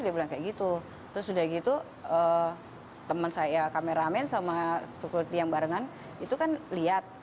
dia bilang kayak gitu terus udah gitu temen saya kameramen sama security yang barengan itu kan lihat